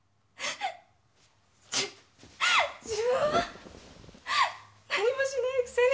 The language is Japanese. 自分は何もしないくせに。